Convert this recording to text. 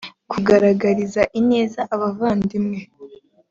kugaragariza ineza abavandimwe